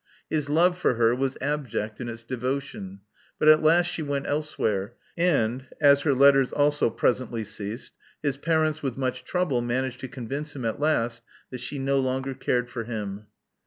His love for her was abject in its devotion; but at last she went elsewhere, and, as her letters also presently ceased, his parents, with much trouble, managed to convince him at last that she no longer cared for him.